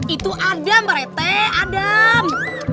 itu ada mbak rete adam